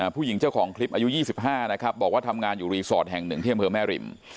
ผู้หญิงเจ้าของคลิปอายุ๒๕นะครับบอกว่าทำงานอยู่รีสอร์ทแห่งหนึ่งที่อำเภอแม่ริม